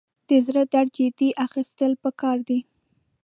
د زړه درد جدي اخیستل پکار دي.